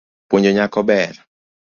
Puonjo nyako ber.